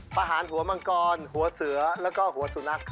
ประหารหัวมังกรหัวเสือแล้วก็หัวสุนัข